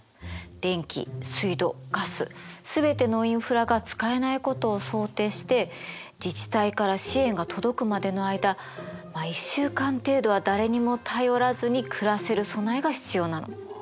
電気水道ガスすべてのインフラが使えないことを想定して自治体から支援が届くまでの間まあ１週間程度は誰にも頼らずに暮らせる備えが必要なの。